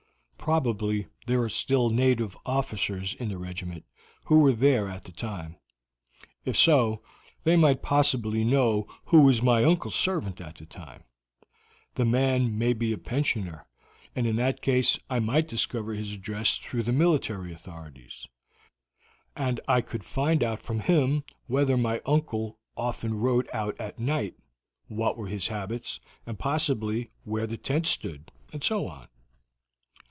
Probably there are still native officers in the regiment who were there at the time. If so, they might possibly know who was my uncle's servant at the time. The man may be a pensioner, and in that case I might discover his address through the military authorities, and I could find out from him whether my uncle often rode out at night, what were his habits, and possibly where the tent stood, and so on."